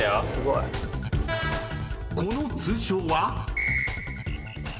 ［この通称は？］